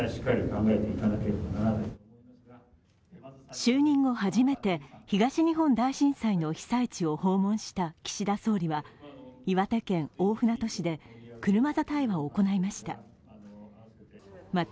就任後初めて東日本大震災の被災地を訪問した岸田総理は、岩手県大船渡市で車座対話を行いました。